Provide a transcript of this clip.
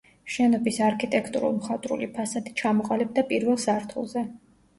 შენობის არქიტექტურულ-მხატვრული ფასადი ჩამოყალიბდა პირველ სართულზე.